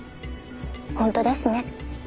本当ですね。